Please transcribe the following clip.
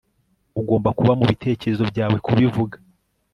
Ugomba kuba mubitekerezo byawe kubivuga